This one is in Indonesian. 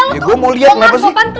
ya gue mau liat kenapa sih